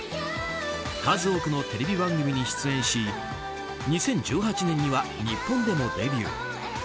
数多くのテレビ番組に出演し２０１８年には日本でもデビュー。